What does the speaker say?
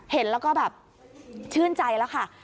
เห็นแล้วก็แบบชื่นใจแล้วค่ะ